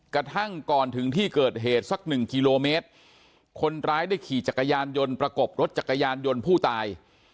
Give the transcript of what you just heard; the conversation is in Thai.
กระทั่งก่อนถึงที่เกิดเหตุสักหนึ่งกิโลเมตรคนร้ายได้ขี่จักรยานยนต์ประกบรถจักรยานยนต์ผู้ตาย